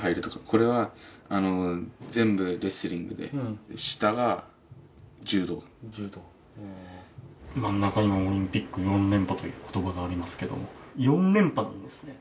これは全部レスリングで下が柔道柔道真ん中の「オリンピック４連覇」という言葉がありますけども４連覇なんですね